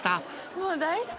もう大好き。